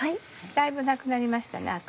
だいぶなくなりましたね